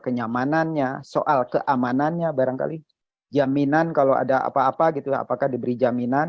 kenyamanannya soal keamanannya barangkali jaminan kalau ada apa apa gitu apakah diberi jaminan